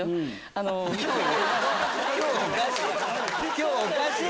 今日おかしい！